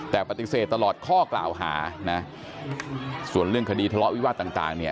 แต่ปฏิเสธตลอดข้อกล่าวหานะส่วนเรื่องคดีทะเลาะวิวาสต่างเนี่ย